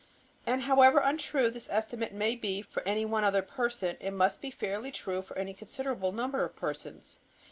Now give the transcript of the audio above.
And however untrue this estimate may be for any one other person, it must be fairly true for any considerable number of persons.